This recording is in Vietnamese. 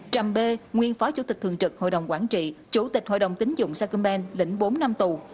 trầm bê nguyên phó chủ tịch thường trực hội đồng quản trị chủ tịch hội đồng tính dụng sakumban lĩnh bốn năm tù